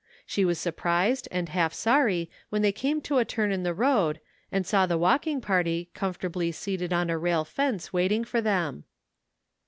She was surprised and half sorry when they came to a turn in the road and saw the walking party com fortably seated on a rail fence waiting for them.